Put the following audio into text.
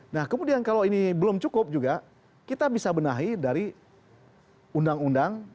nah kemudian kalau ini belum cukup juga kita bisa benahi dari undang undang